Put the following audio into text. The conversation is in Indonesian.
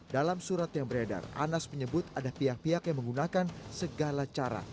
dalam surat yang beredar anas menyebut ada pihak pihak yang menggunakan segala cara